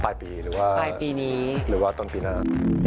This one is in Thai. ปลายปีนี้หรือว่าตอนปีหน้าน่าจะประมาณปลายปีหรือว่าตอนปีหน้า